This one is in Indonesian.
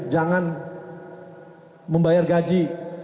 jangan membayar gaji